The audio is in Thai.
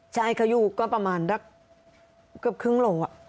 ใช่เขาอยู่ก็ประมาณเกือบครึ่งโล